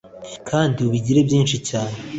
kandi ubigire byinshi cyane